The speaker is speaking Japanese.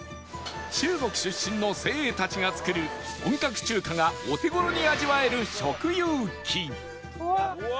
中国出身の精鋭たちが作る本格中華がお手頃に味わえる食遊記